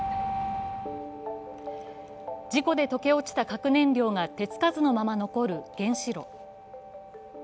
事故で溶け落ちた核燃料が手つかずのまま残る原子炉。